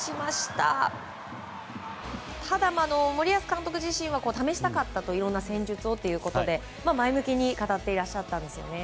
ただ、森保監督自身は試したかったといろんな戦術をということで前向きに語っていらっしゃったんですよね。